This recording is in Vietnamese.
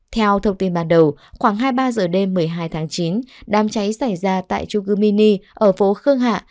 theo thông tin ban đầu khoảng hai mươi ba giờ đêm một mươi hai tháng chín đám cháy xảy ra tại trung cư mini ở phố khương hạ